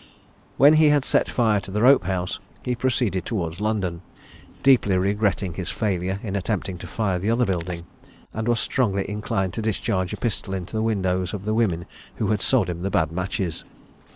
When he had set fire to the rope house he proceeded towards London, deeply regretting his failure in attempting to fire the other building, and was strongly inclined to discharge a pistol into the windows of the women who had sold him the bad matches.